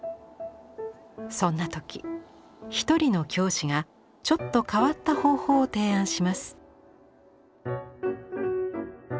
そんな時一人の教師がちょっと変わった方法を提案します。